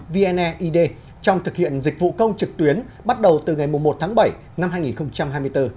vne id trong thực hiện dịch vụ công trực tuyến bắt đầu từ ngày một tháng bảy năm hai nghìn hai mươi bốn